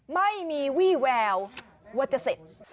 ไม่มีวี่แววว่าจะเสร็จ